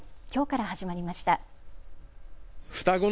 きょうから始まりました。